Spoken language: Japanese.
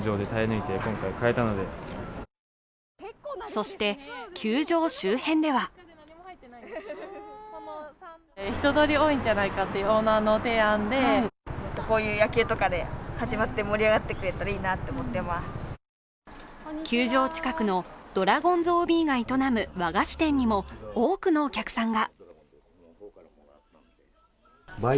そして球場周辺では球場近くのドラゴンズＯＢが営む和菓子店にも多くのお客さんが。